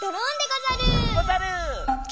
ござる！